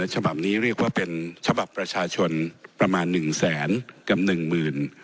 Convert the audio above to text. ฉบับนี้เรียกว่าเป็นฉบับประชาชนประมาณหนึ่งแสนกับหนึ่งหมื่น